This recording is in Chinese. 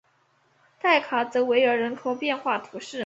代卡泽维尔人口变化图示